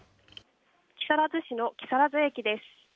木更津市の木更津駅です。